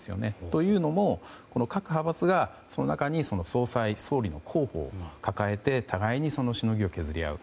というのも、各派閥がその中に総裁・総理の候補を抱え互いにしのぎを削り合う。